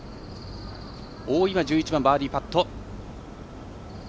大岩、１１番バーディーパット。